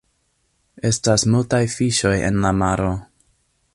Estas multaj fiŝoj en la maro.